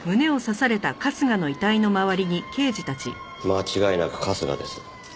間違いなく春日です。